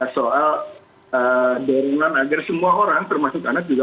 soal daring langgar semua orang termasuk anak juga